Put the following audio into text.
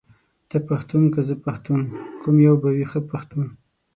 ته پښتون که زه پښتون ، کوم يو به وي ښه پښتون ،